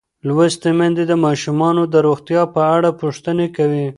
لوستې میندې د ماشومانو د روغتیا په اړه پوښتنې کوي.